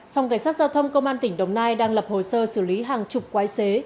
phòng cảnh sát giao thông công an tỉnh đồng nai đang lập hồ sơ xử lý hàng chục quái xế